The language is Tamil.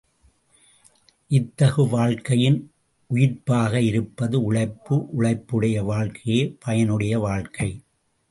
இத்தகு வாழ்க்கையின் உயிர்ப்பாக இருப்பது உழைப்பு, உழைப்புடைய வாழ்க்கையே பயனுடைய வாழ்க்கை.